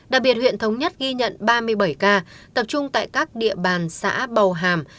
đặc biệt huyện thống nhất ghi nhận ba mươi bảy ca tập trung tại các địa bàn xã bầu hàm